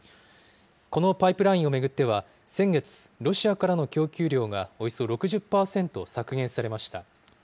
このパイプラインを巡っては先月、ロシアからの供給量がおよそ６０％削減されました。